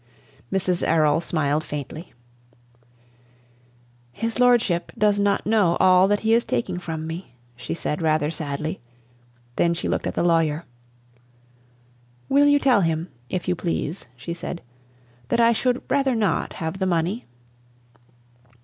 Mrs. Errol smiled faintly. "His lordship does not know all that he is taking from me," she said rather sadly. Then she looked at the lawyer. "Will you tell him, if you please," she said, "that I should rather not have the money?"